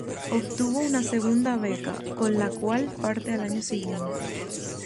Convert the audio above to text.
Obtuvo una segunda beca, con la cual parte al año siguiente.